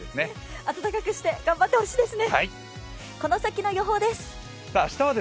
暖かくして頑張ってほしいですね。